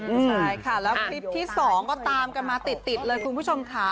ใช่ค่ะแล้วคลิปที่๒ก็ตามกันมาติดเลยคุณผู้ชมค่ะ